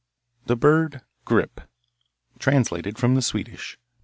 The Bird 'Grip' Translated from the Swedish.